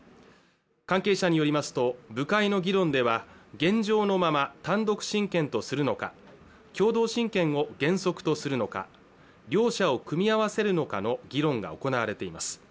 関係者によりますと部会の議論では現状のまま単独親権とするのか共同親権を原則とするのか両者を組み合わせるのかの議論が行われています